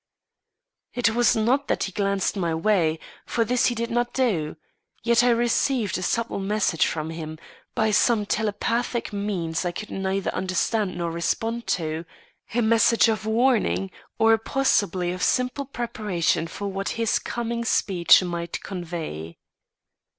It was not that he glanced my way, for this he did not do; yet I received a subtle message from him, by some telepathic means I could neither understand nor respond to a message of warning, or, possibly of simple preparation for what his coming speech might convey.